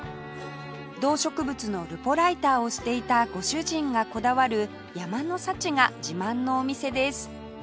動植物のルポライターをしていたご主人がこだわる山の幸が自慢のお店です